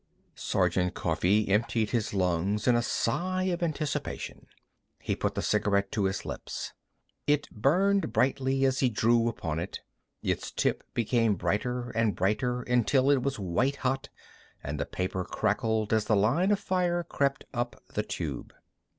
Sergeant Coffee emptied his lungs in a sigh of anticipation. He put the cigarette to his lips. It burned brightly as he drew upon it. Its tip became brighter and brighter until it was white hot, and the paper crackled as the line of fire crept up the tube.